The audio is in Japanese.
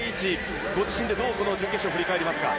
ご自身でどう、この準決勝を振り返りますか？